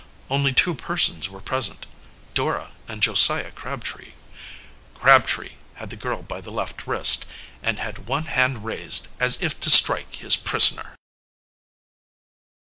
Only two persons were present, Dora and Josiah Crabtree. Crabtree had the girl by the left wrist, and had one hand raised as if to strike his prisoner.